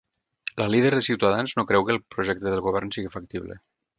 La líder de Ciutadans no creu que el projecte del govern sigui factible.